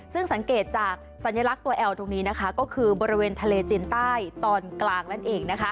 ซึ่งสังเกตจากสัญลักษณ์ตัวแอลตรงนี้นะคะก็คือบริเวณทะเลจีนใต้ตอนกลางนั่นเอง